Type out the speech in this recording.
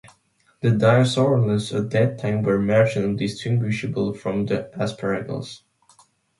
The Dioscoreales at that time were marginally distinguishable from the Asparagales.